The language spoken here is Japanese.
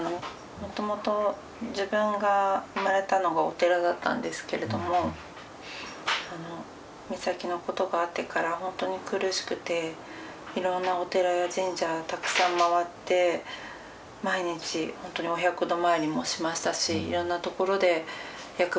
もともと自分が生まれたのがお寺だったんですけれども美咲のことがあってからホントに苦しくていろんなお寺や神社たくさん回って毎日お百度参りもしましたしいろんな所で厄払いもしましたし。